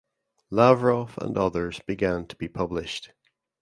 Lavrov and others began to be published.